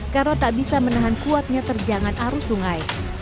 karena tak bisa menahan kuatnya terjangan arus sungai